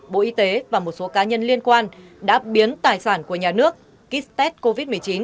bộ y tế và một số cá nhân liên quan đã biến tài sản của nhà nước kích tết covid một mươi chín